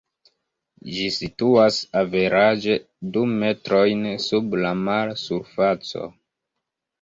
Ĝi situas averaĝe du metrojn sub la mar-surfaco.